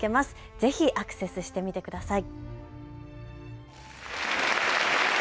ぜひアクセスしてみてください。